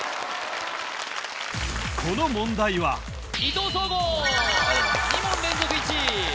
この問題は伊藤壮吾２問連続１位！